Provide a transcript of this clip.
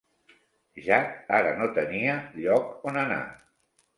Jack ara no tenia lloc on anar.